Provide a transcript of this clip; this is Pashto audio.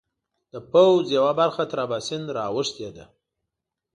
د پوځ یوه برخه تر اباسین را اوښتې ده.